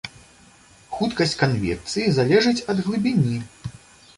Хуткасць канвекцыі залежыць ад глыбіні.